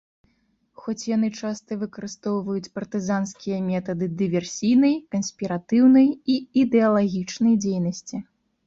Хоць яны часта выкарыстоўваюць партызанскія метады дыверсійнай, канспіратыўнай і ідэалагічнай дзейнасці.